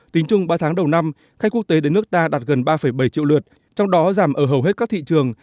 tính chung ba tháng đầu năm khách quốc tế đến nước ta đạt gần ba bảy triệu lượt trong đó giảm ở hầu hết các thị trường